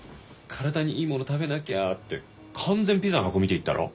「体にいいもの食べなきゃ」って完全ピザの箱見て言ったろ？